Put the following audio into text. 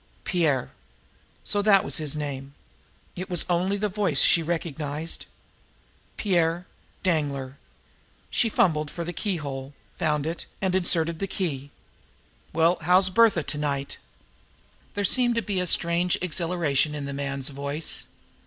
Pierre! So that was his name! It was only the voice she recognized. Pierre Danglar! She fumbled for the keyhole, found it, and inserted the key. "Well, how's Bertha to night?" There seemed to be a strange exhilaration in the man's voice.